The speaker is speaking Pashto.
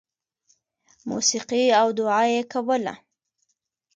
• موسیقي او دعا یې کوله.